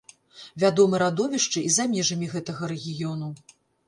Вядомы радовішчы і за межамі гэтага рэгіёну.